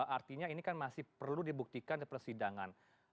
artinya ini kan masih perlu dibuktikan di persidangan